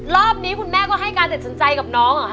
รอบนี้คุณแม่ก็ให้การเสร็จสนุกเลยนะครับ